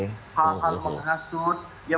hal hal menghasut ya mungkin jadi kalau kita